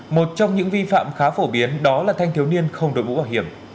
một trong những vi phạm khá phổ biến đó là thanh thiếu niên không đội mũ bảo hiểm